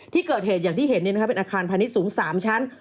ที่เกิดเหตุอย่างที่เห็นเป็นอาคารพาณิชย์สูง๓ชั้น